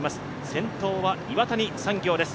先頭は岩谷産業です。